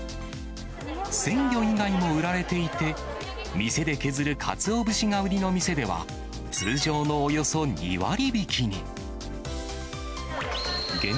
鮮魚以外も売られていて、店で削るかつお節が売りの店では、通常のおよそ２割引きに。